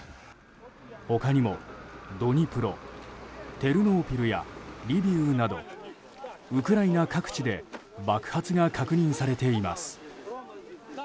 他にもドニプロ、テルノーピルやリブウなどウクライナ各地で爆発が確認されています。